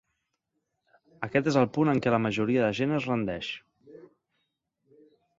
Aquest és el punt en què la majoria de gent es rendeix.